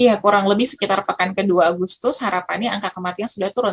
iya kurang lebih sekitar pekan ke dua agustus harapannya angka kematian sudah turun